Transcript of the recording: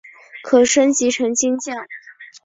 可升级成金将。